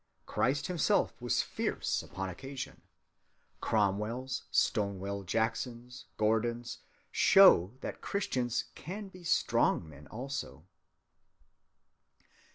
Christ himself was fierce upon occasion. Cromwells, Stonewall Jacksons, Gordons, show that Christians can be strong men also.